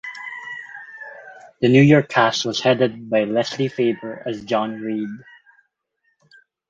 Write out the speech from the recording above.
The New York cast was headed by Leslie Faber as John Rhead.